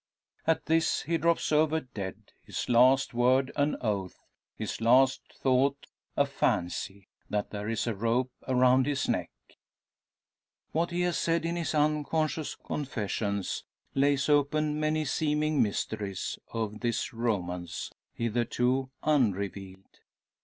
At this he drops over dead, his last word an oath, his last thought a fancy, that there is a rope around his neck! What he has said in his unconscious confessions lays open many seeming mysteries of this romance, hitherto unrevealed.